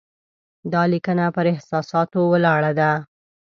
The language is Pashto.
دا لیکنه پر احساساتو ولاړه ده.